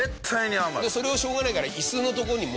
それをしょうがないから。